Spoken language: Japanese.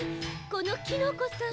このキノコさんが。